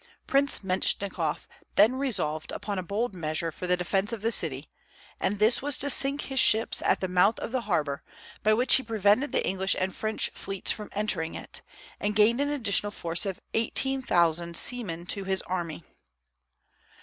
Prince Mentchikof then resolved upon a bold measure for the defence of the city, and this was to sink his ships at the mouth of the harbor, by which he prevented the English and French fleets from entering it, and gained an additional force of eighteen thousand seamen to his army.